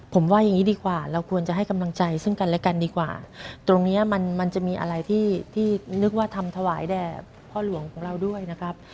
ผมว่าอย่างนี้ดีกว่าเราควรจะให้กำลังใจซึ่งกันและกันดีกว่าตรงเนี้ยมันมันจะมีอะไรที่ที่นึกว่าทำถวายแด่พ่อหลวงของเราด้วยนะครับ